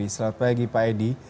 selamat pagi pak edi